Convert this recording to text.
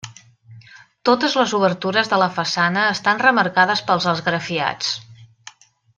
Totes les obertures de la façana estan remarcades pels esgrafiats.